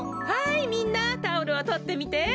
はいみんなタオルをとってみて。